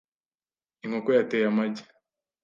Inkoko yateye amagi .